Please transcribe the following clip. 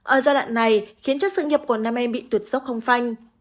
ở giai đoạn này khiến cho sự nghiệp của nam em bị tuột dốc không phanh